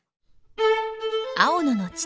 青野の父